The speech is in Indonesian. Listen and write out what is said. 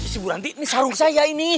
si buranti ini sarung saya ini